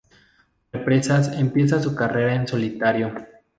Represas empieza su carrera en solitario.